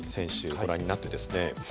ご覧になってですね